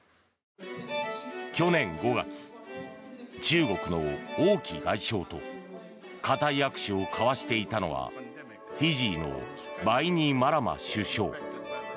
去年５月、中国の王毅外相と固い握手を交わしていたのはフィジーのバイニマラマ首相。